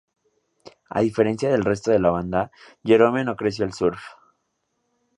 A diferencia del resto de la banda, Jerome no creció el surf.